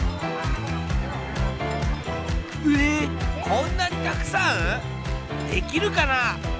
こんなにたくさん⁉できるかな？